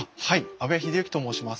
阿部英之と申します。